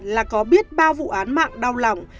là có biết bao vụ án mạng đau lòng